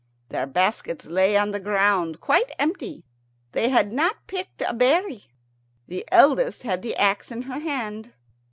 Their baskets lay on the ground quite empty. They had not picked a berry. The eldest had the axe in her hand.